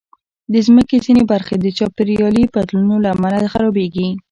د مځکې ځینې برخې د چاپېریالي بدلونونو له امله خرابېږي.